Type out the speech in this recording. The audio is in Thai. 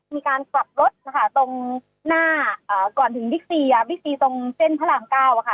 มีการกลับรถนะคะตรงหน้าก่อนถึงบิ๊กซีบิ๊กซีตรงเส้นพระรามเก้าอะค่ะ